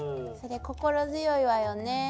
それ心強いわよね。